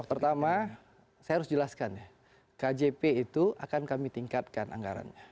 pertama saya harus jelaskan ya kjp itu akan kami tingkatkan anggarannya